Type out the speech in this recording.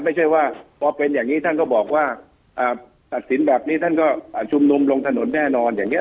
ไม่ใช่ว่าพอเป็นอย่างนี้ท่านก็บอกว่าตัดสินแบบนี้ท่านก็ชุมนุมลงถนนแน่นอนอย่างนี้